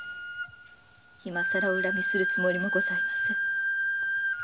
今更お恨みするつもりもございません。